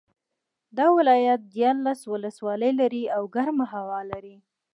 دا ولایت دیارلس ولسوالۍ لري او ګرمه هوا لري